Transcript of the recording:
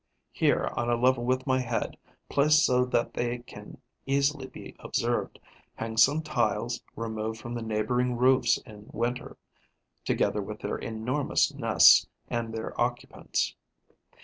Here, on a level with my head, placed so that they can easily be observed, hang some tiles removed from the neighbouring roofs in winter, together with their enormous nests and their occupants.